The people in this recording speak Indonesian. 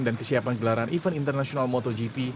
dan kesiapan gelaran event internasional motogp